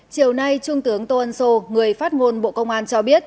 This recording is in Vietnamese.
chiều nay trung tướng tô ân sô người phát ngôn bộ công an cho biết